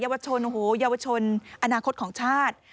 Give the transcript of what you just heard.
วชนโอ้โหเยาวชนอนาคตของชาติ